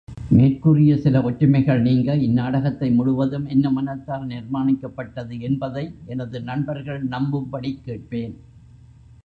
மேற்கூறிய சில ஒற்றுமைகள் நீங்க, இந்நாடகத்தை முழுவதும், என்ன மனத்தால் நிர்மாணிக்கப்பட்டது என்பதை எனது நண்பர்கள் நம்பும்படிக் கேட்பேன்.